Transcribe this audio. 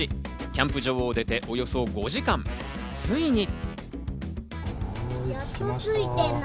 キャンプ場を出ておよそ５時間、ついに。